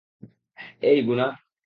এই, গুনা!